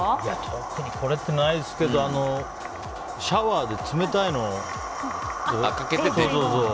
特にこれってないですけどシャワーで冷たいのをかけて。